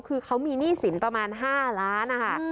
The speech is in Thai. คือเขามีหนี้สินประมาณ๕ล้านนะคะ